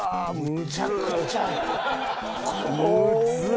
むちゃくちゃやん。